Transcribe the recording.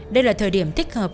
đây là thời điểm thích hợp